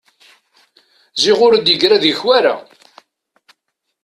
Ziɣ ur d-yegra deg-k wara!